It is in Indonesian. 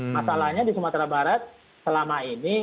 masalahnya di sumatera barat selama ini